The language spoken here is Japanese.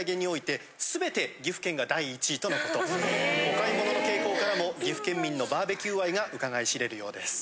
お買い物の傾向からも岐阜県民のバーベキュー愛がうかがい知れるようです。